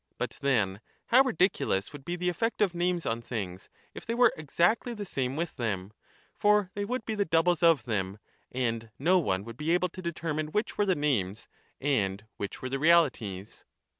But then how ridiculous would be the effect of names on things, if they were exactly the same with them ! For they would be the doubles of them, and no one would be able to determine which were the names and which were the reahties.